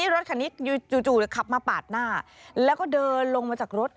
รถคนนี้ก็ขับมาปาดหน้าและเดินลงมาจากรถ